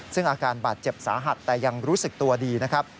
ซึ่งอาการบาดเจ็บสาหัสแต่ยังรู้สึกตัวดีนะครับ